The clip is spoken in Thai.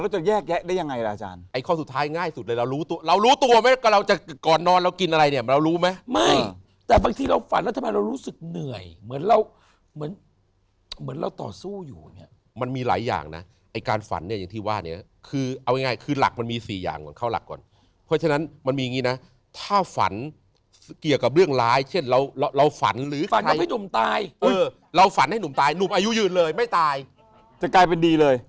เราจะแยกแยะได้ยังไงล่ะอาจารย์ไอ้ข้อสุดท้ายง่ายสุดเลยเรารู้ตัวเรารู้ตัวไหมก็เราจะก่อนนอนแล้วกินอะไรเนี่ยเรารู้ไหมไม่แต่บางทีเราฝันแล้วทำไมเรารู้สึกเหนื่อยเหมือนเราเหมือนเหมือนเราต่อสู้อยู่เนี่ยมันมีหลายอย่างนะไอ้การฝันเนี่ยที่ว่าเนี่ยคือเอาไงคือหลักมันมี๔อย่างก่อนเข้าหลักก่อนเพราะฉะนั้นมันมีอย่